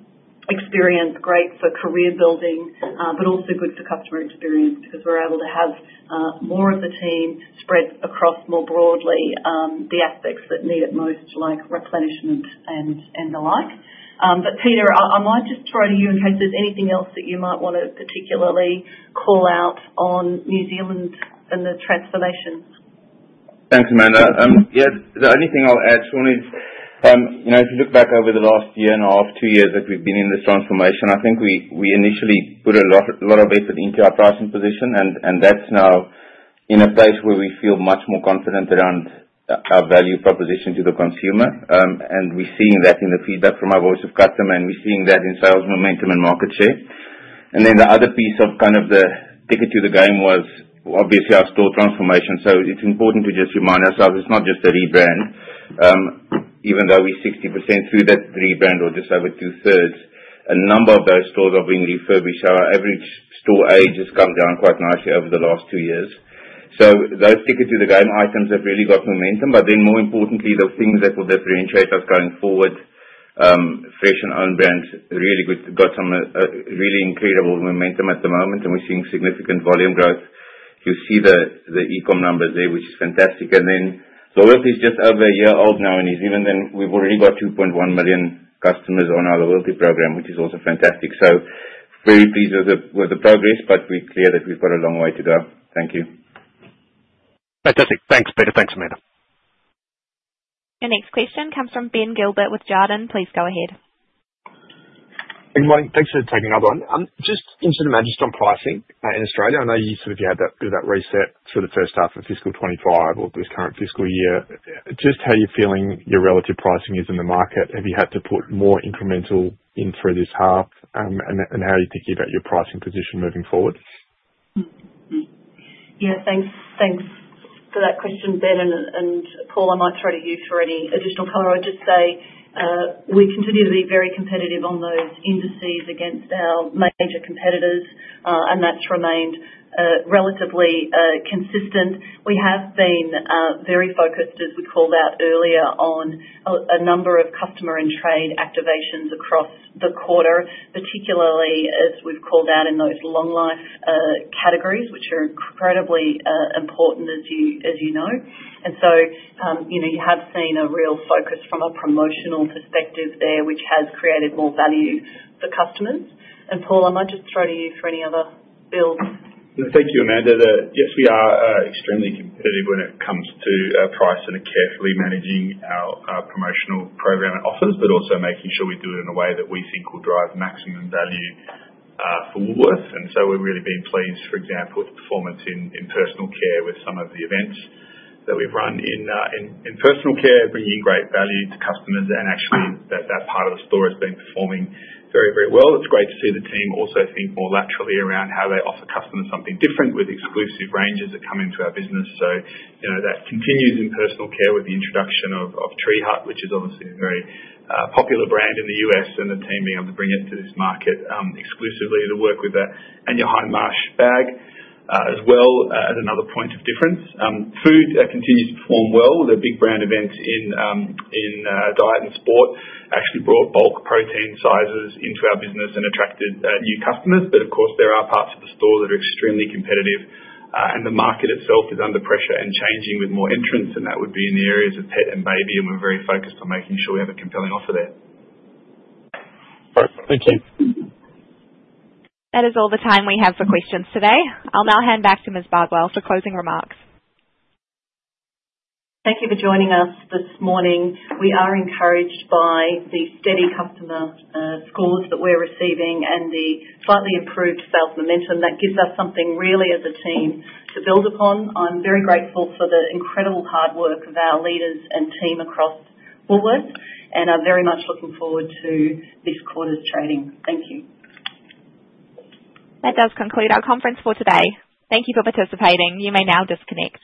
experience, great for career building, but also good for customer experience because we're able to have more of the team spread across more broadly the aspects that need it most, like replenishment and the like. Peter, I might just throw to you in case there's anything else that you might want to particularly call out on New Zealand and the transformation. Thanks, Amanda. Yeah. The only thing I'll add, Sean, is if you look back over the last year and a half, two years that we've been in this transformation, I think we initially put a lot of effort into our pricing position, and that's now in a place where we feel much more confident around our value proposition to the consumer, and we're seeing that in the feedback from our voice of customer, and we're seeing that in sales momentum and market share. The other piece of kind of the ticket to the game was obviously our store transformation, so it's important to just remind ourselves it's not just a rebrand. Even though we're 60% through that rebrand or just over two-thirds, a number of those stores are being refurbished, so our average store age has come down quite nicely over the last two years. Those ticket to the game items have really got momentum, but then more importantly, the things that will differentiate us going forward, fresh and own brands, really got some really incredible momentum at the moment, and we are seeing significant volume growth. You will see the e-comm numbers there, which is fantastic. Loyalty is just over a year old now, and we have already got 2.1 million customers on our loyalty program, which is also fantastic. Very pleased with the progress, but we are clear that we have got a long way to go. Thank you. Fantastic. Thanks, Peter. Thanks, Amanda. Your next question comes from Ben Gilbert with Jarden. Please go ahead. Good morning. Thanks for taking another one. Just in sort of magic on pricing in Australia, I know you sort of had that reset for the first half of fiscal 2025 or this current fiscal year. Just how you're feeling your relative pricing is in the market? Have you had to put more incremental in for this half, and how are you thinking about your pricing position moving forward? Yeah. Thanks for that question, Ben, and Paul, I might throw to you for any additional color. I'd just say we continue to be very competitive on those indices against our major competitors, and that's remained relatively consistent. We have been very focused, as we called out earlier, on a number of customer and trade activations across the quarter, particularly as we've called out in those long-life categories, which are incredibly important, as you know. You have seen a real focus from a promotional perspective there, which has created more value for customers. Paul, I might just throw to you for any other builds. Thank you, Amanda. Yes, we are extremely competitive when it comes to price and carefully managing our promotional program and offers, but also making sure we do it in a way that we think will drive maximum value for Woolworths. We are really being pleased, for example, with performance in personal care with some of the events that we've run in personal care, bringing great value to customers, and actually that part of the store has been performing very, very well. It's great to see the team also think more laterally around how they offer customers something different with exclusive ranges that come into our business. That continues in personal care with the introduction of Tree Hut, which is obviously a very popular brand in the US, and the team being able to bring it to this market exclusively to work with a Anya Hindmarch bag as well as another point of difference. Food continues to perform well. The big brand events in diet and sport actually brought bulk protein sizes into our business and attracted new customers, but of course, there are parts of the store that are extremely competitive, and the market itself is under pressure and changing with more entrants, and that would be in the areas of pet and baby, and we're very focused on making sure we have a compelling offer there. All right. Thank you. That is all the time we have for questions today. I'll now hand back to Ms. Bardwell for closing remarks. Thank you for joining us this morning. We are encouraged by the steady customer scores that we're receiving and the slightly improved sales momentum. That gives us something really as a team to build upon. I'm very grateful for the incredible hard work of our leaders and team across Woolworths, and I'm very much looking forward to this quarter's trading. Thank you. That does conclude our conference for today. Thank you for participating. You may now disconnect.